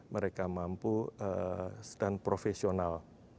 mereka mampu dan profesional